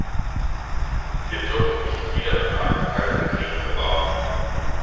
Wir dürfen nicht wieder in einen Kalten Krieg geraten.